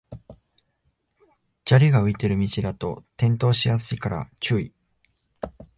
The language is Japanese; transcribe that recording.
砂利が浮いてる道だと転倒しやすいから注意